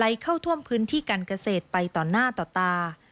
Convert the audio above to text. เข้าท่วมพื้นที่การเกษตรไปต่อหน้าต่อตา